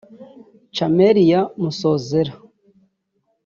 Camelia Masozera